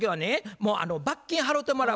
もう罰金払うてもらう。